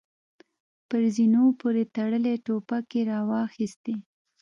پر زينونو پورې تړلې ټوپکې يې را واخيستې.